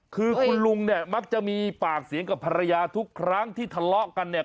คือคุณลุงเนี่ยมักจะมีปากเสียงกับภรรยาทุกครั้งที่ทะเลาะกันเนี่ย